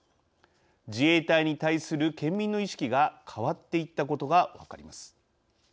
自衛隊に対する県民の意識が変わっていったことが分かります。